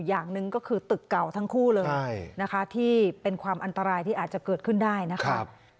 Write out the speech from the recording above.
อย่างหนึ่งก็คือตึกเก่าทั้งคู่เลยนะคะที่เป็นความอันตรายที่อาจจะเกิดขึ้นได้นะครับ